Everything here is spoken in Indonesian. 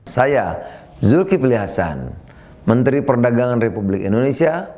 saya zulkifli hasan menteri perdagangan republik indonesia